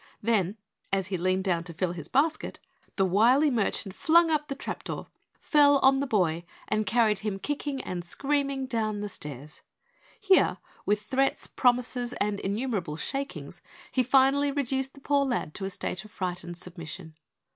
Then, as he leaned down to fill his basket, the wily merchant flung up the trapdoor, fell upon the boy and carried him kicking and screaming down the stairs. Here, with threats, promises and innumerable shakings, he finally reduced the poor lad to a state of frightened submission.